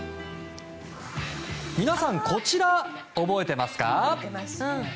皆さん、こちら覚えてますか？